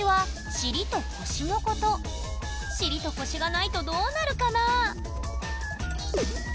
尻と腰がないとどうなるかな？